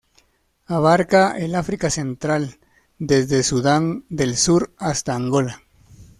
Abarca el África Central desde Sudán del Sur hasta Angola.